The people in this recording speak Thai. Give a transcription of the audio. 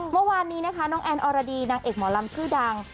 เมื่อวานนี้นะคะน้องแอนอรดีนางเอกหมอลำชื่อดัง